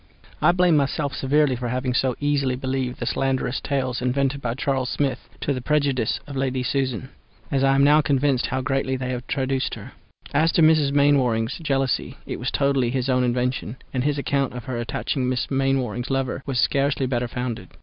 I blame myself severely for having so easily believed the slanderous tales invented by Charles Smith to the prejudice of Lady Susan, as I am now convinced how greatly they have traduced her. As to Mrs. Mainwaring's jealousy it was totally his own invention, and his account of her attaching Miss Mainwaring's lover was scarcely better founded.